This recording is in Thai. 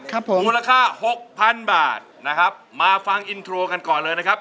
ครับผมมูลค่าหกพันบาทนะครับมาฟังอินโทรกันก่อนเลยนะครับ